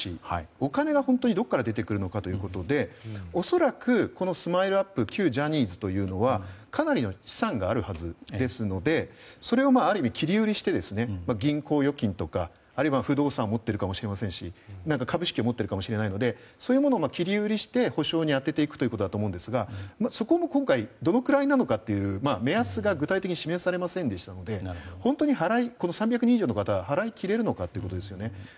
お金がどこから出てくるのかということで恐らく、ＳＭＩＬＥ‐ＵＰ．旧ジャニーズというのはかなりの資産があるはずですのでそれをある意味切り売りして銀行預金とかあるいは不動産を持っているかもしれませんし何か株式を持っているかもしれませんので、そういうものを切り売りして補償に充てていくということだと思うんですがそこも今回どのくらいなのかという目安が具体的に示されませんでしたので本当に３００人以上の方に払いきれるのかということですね。